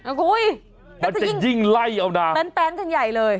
โอ้โหมันจะยิ่งมันจะยิ่งไล่เอานะแปนแปนกันใหญ่เลย